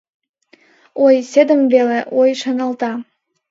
Ой, седым веле, ой, шаналта.